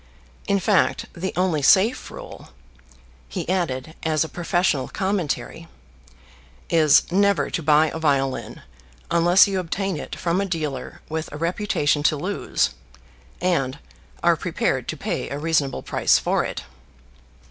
In fact the only safe rule," he added as a professional commentary, "is never to buy a violin unless you obtain it from a dealer with a reputation to lose, and are prepared to pay a reasonable price for it."